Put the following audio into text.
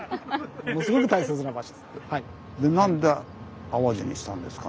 ものすごく大切な場所です。